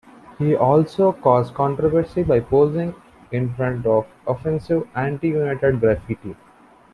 He also caused controversy by posing in front of offensive anti-United graffiti.